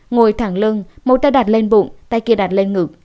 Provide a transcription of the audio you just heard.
ngồi thẳng lưng một tay đạt lên bụng tay kia đặt lên ngực